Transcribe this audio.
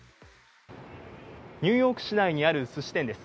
ニューヨーク市内にあるすし店です。